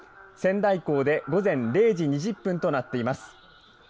仙台港で午前０時２０分となっています。